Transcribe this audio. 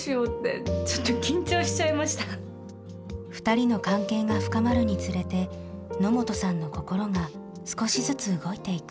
二人の関係が深まるにつれて野本さんの心が少しずつ動いていく。